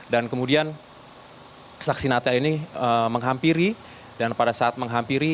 dan kemudian saksinatnya ini menghampiri dan pada saat menghampiri